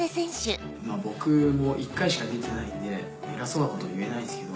僕も一回しか出てないんで偉そうなこと言えないんですけど。